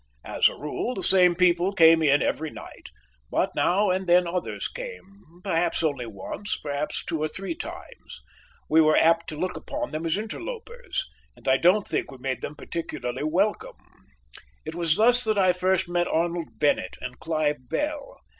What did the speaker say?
As a rule, the same people came in every night, but now and then others came, perhaps only once, perhaps two or three times. We were apt to look upon them as interlopers, and I don't think we made them particularly welcome. It was thus that I first met Arnold Bennett and Clive Bell.